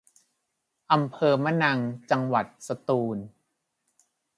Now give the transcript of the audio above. อำเภอมะนัง จังหวัดสตูล